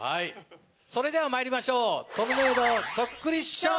それではまいりましょう。・お！